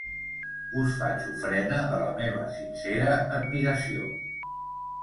Us faig ofrena de la meva sincera admiració.